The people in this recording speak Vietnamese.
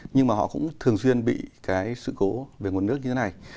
nhưng mà họ cũng thường xuyên bị cái sự cố về nguồn nước như thế này